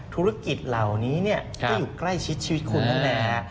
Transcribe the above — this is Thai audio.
ธุรกิจเหล่านี้เนี่ยก็อยู่ใกล้ชิดชีวิตคุณแน่